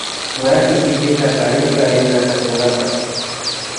Warmi kipita aparishpa rirka katunkapa